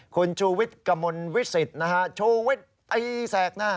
คุณชูวิทร์กะมนต์วิสิตชูวิทร์ไอ้แสกหน้า